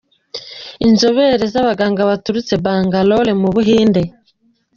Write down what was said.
Inzobere z’abaganga baturutse Bangalore mu Buhinde.